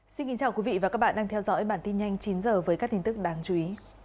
xin kính chào quý vị và các bạn đang theo dõi bản tin nhanh chín h với các tin tức đáng chú ý